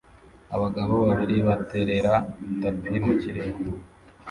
abagabo babiri baterera itapi mu kirere